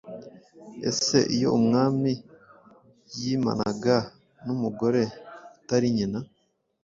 ese iyo Umwami yimanaga n'umugore utari nyina,